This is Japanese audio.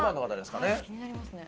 気になりますね。